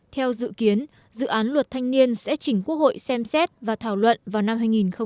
theo dự kiến dự án luật thanh niên sẽ chỉnh quốc hội xem xét và thảo luận vào năm hai nghìn hai mươi